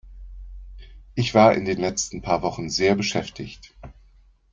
Ich war in den letzten paar Wochen sehr beschäftigt.